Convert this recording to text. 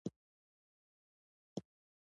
بدخشان پوهنتون ته لاړو.